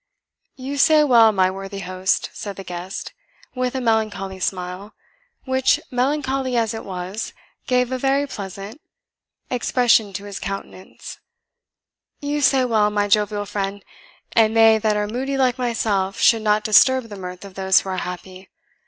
"You say well, my worthy host," said the guest, with a melancholy smile, which, melancholy as it was, gave a very pleasant: expression to his countenance "you say well, my jovial friend; and they that are moody like myself should not disturb the mirth of those who are happy.